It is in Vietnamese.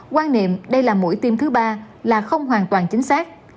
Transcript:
quan niệm đây là mũi tiêm thứ ba là không hoàn toàn chính xác